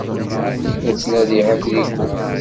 La d-ttnadiɣ atriku.